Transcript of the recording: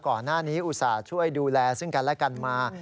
ก่อนหน้านี้อุตส่าห์ช่วยดูแลซึ่งกันและกันมา